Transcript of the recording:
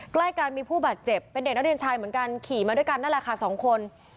ใกล้กันมีผู้บาดเจ็บเป็นเด็กนักเรียนชายเหมือนกันขี่มาด้วยกันนั่นแหละค่ะสองคน